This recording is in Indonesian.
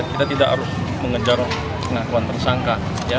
kita tidak harus mengejar pengakuan tersangka